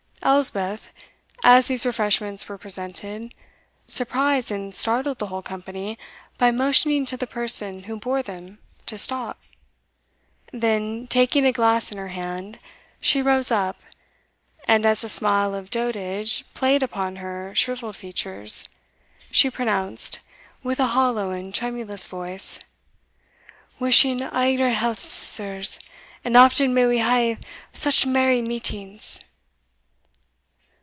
Elspeth, as these refreshments were presented, surprised and startled the whole company by motioning to the person who bore them to stop; then, taking a glass in her hand, she rose up, and, as the smile of dotage played upon her shrivelled features, she pronounced, with a hollow and tremulous voice, "Wishing a' your healths, sirs, and often may we hae such merry meetings!"